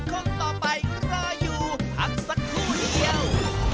ขอบคุณครับ